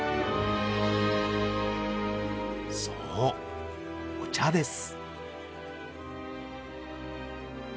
そうお茶です